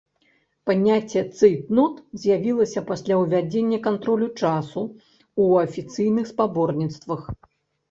Паняцце цэйтнот з'явілася пасля ўвядзення кантролю часу ў афіцыйных спаборніцтвах.